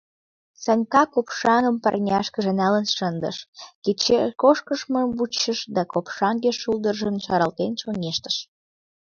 Санька копшаҥгым парняшкыже налын шындыш, кечеш кошкымыжым вучыш — да копшаҥге шулдыржым шаралтен чоҥештыш.